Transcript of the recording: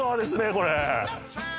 これ。